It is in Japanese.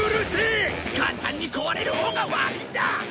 簡単に壊れるほうが悪いんだ！